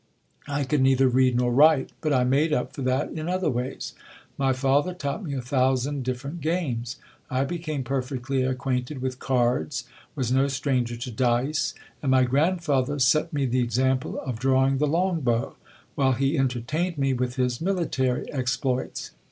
I could neither read nor write : but I made up for that in other ways. My father taught me a thousand different games. I became perfectly acquainted with cards, was no stranger to dice, and my grandfather set me the example of drawing the long bow, while he entertained me with his military exploits.